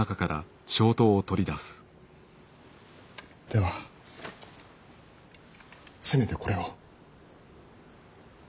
ではせめてこれを。